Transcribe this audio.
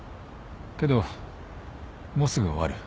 けどもうすぐ終わる。